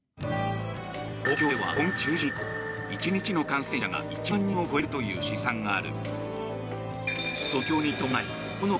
東京では今月中旬以降１日の感染者が１万人を超えるという試算がある。